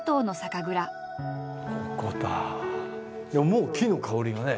もう木の香りがね。